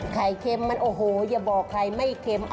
เค็มมันโอ้โหอย่าบอกไข่ไม่เค็ม